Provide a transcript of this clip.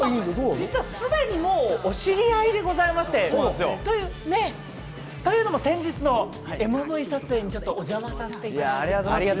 すでにお知り合いでございまして、というのも、先日のＭＶ撮影にお邪魔させていただいて。